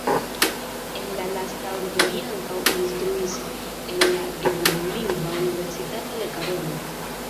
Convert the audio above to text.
En la lasta urbo li ankaŭ instruis en la germanlingva Universitato de Karolo.